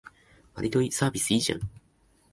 わりとサービスいいじゃん